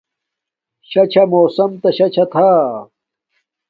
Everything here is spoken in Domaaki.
شاہ چھاہ موسم تا شاہ چھاہ تھا